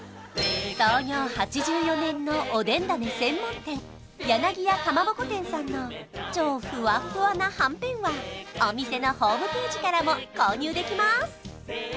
創業８４年のおでん種専門店柳屋蒲鉾店さんの超フワッフワなはんぺんはお店のホームページからも購入できます